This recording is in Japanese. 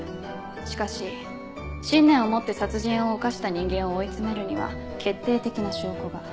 しかし信念を持って殺人を犯した人間を追い詰めるには決定的な証拠が。